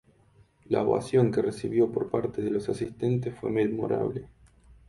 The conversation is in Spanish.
La ovación que recibió por parte de los asistentes fue memorable.